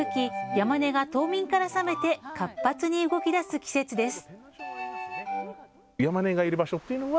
ヤマネが冬眠から覚めて活発に動きだす季節です。